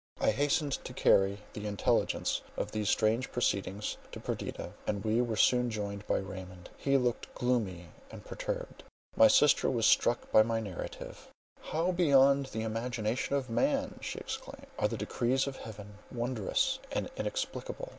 I hastened to carry the intelligence of these strange proceedings to Perdita; and we were soon joined by Raymond. He looked gloomy and perturbed. My sister was struck by my narrative: "How beyond the imagination of man," she exclaimed, "are the decrees of heaven, wondrous and inexplicable!"